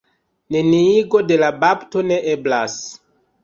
Neniigo de la bapto ne eblas.